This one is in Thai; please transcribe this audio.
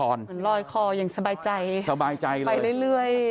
มันลอยคอสบายใจเลยอยู่เลย